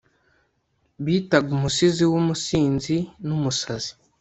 bitaga umusizi w'umusinzi n'umusazi